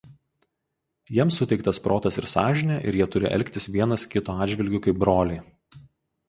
Jiems suteiktas protas ir sąžinė ir jie turi elgtis vienas kito atžvilgiu kaip broliai".